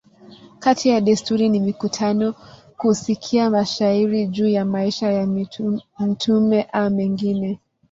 Kati ya desturi ni mikutano, kusikia mashairi juu ya maisha ya mtume a mengine.